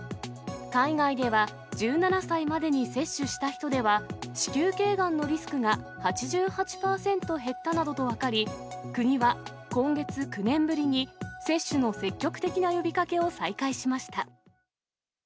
海外では１７歳までに接種した人では、子宮けいがんのリスクが８８％減ったなどと分かり、国は今月９年ぶりに、接種の積極的な呼びかけを再開しました。